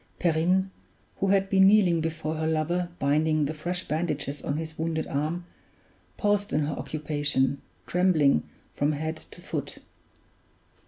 Perrine, who had been kneeling before her lover binding the fresh bandages on his wounded arm, paused in her occupation, trembling from head to foot.